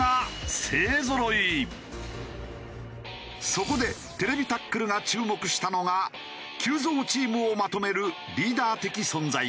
そこで『ＴＶタックル』が注目したのが急造チームをまとめるリーダー的存在だ。